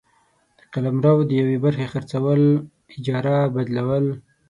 د قلمرو د یوې برخي خرڅول ، اجاره ، بدلول،